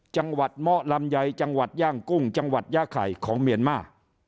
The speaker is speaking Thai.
จังหวัดเมาะลำไยจังหวัดย่างกุ้งจังหวัดย่าไข่ของเมียนมา